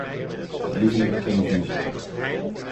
Maar even naar de kern van de zaak.